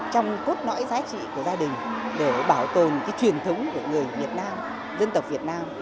trong cốt lõi giá trị của gia đình để bảo tồn cái truyền thống của người việt nam dân tộc việt nam